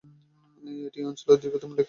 এটি এ অঞ্চলের দীর্ঘতম লেক হিসেবে পরিচিত।